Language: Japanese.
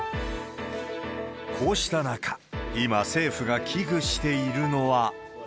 こうした中、今、政府が危惧しているのは。